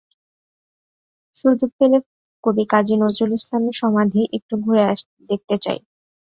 সুযোগ পেলে কবি কাজী নজরুল ইসলামের সমাধি একটু ঘুরে দেখতে চাই।